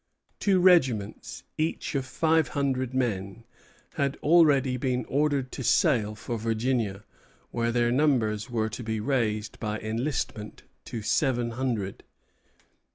Two regiments, each of five hundred men, had already been ordered to sail for Virginia, where their numbers were to be raised by enlistment to seven hundred.